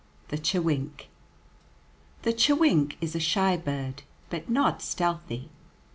THE CHEWINK The chewink is a shy bird, but not stealthy.